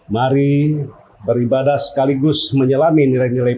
mari beribadah sekaligus menyelami nilai nilai pancasila